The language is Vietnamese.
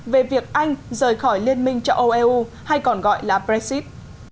về việc anh rời khỏi liên minh châu âu eu hay còn gọi là brexit